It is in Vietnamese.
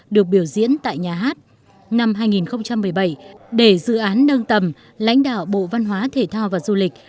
được biểu diễn tại nhà hát năm hai nghìn một mươi bảy để dự án nâng tầm lãnh đạo bộ văn hóa thể thao và du lịch